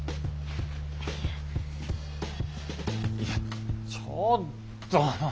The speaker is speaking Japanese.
いやちょっと。